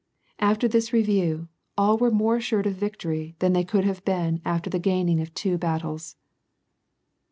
After this review, all were more assured of victory than they could have been after the gaining of two battles.